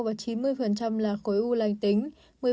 và chín mươi là khối u lành tính